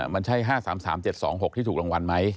มันใช่๕๓๓๗๒๖ที่ถูกรางวัลไหม